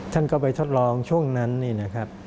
ท่านก็ไปทดลองช่วงนั้นนี่นะครับ